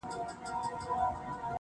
په کاله کی یې لوی کړي ځناور وي -